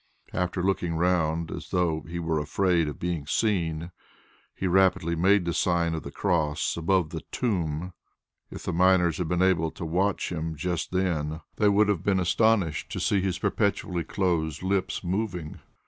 After looking round, as though he were afraid of being seen, he rapidly made the sign of the cross above the "tomb." If the miners had been able to watch him just then, they would have been astonished to his perpetually closed lips moving.